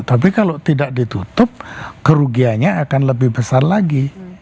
tapi kalau tidak ditutup kerugiannya akan lebih besar lagi